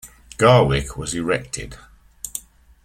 Garwick was erected.